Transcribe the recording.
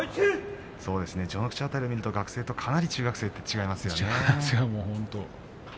序ノ口辺りを見ると学生とかなり中学生は違いますよね。